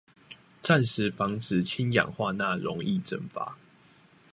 暫時防止氫氧化鈉溶液蒸發